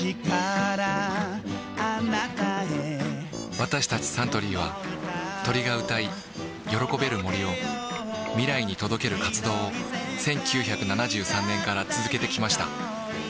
私たちサントリーは鳥が歌い喜べる森を未来に届ける活動を１９７３年から続けてきました